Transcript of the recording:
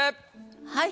はい。